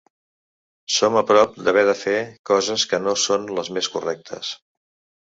Som a prop d’haver de fer coses que no són les més correctes.